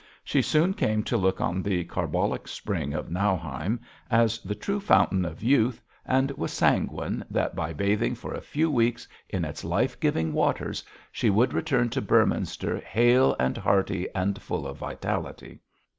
She soon came to look on the carbolic spring of Nauheim as the true fountain of youth, and was sanguine that by bathing for a few weeks in its life giving waters she would return to Beorminster hale and hearty, and full of vitality.